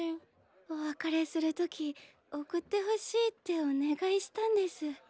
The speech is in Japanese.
お別れする時送ってほしいってお願いしたんです。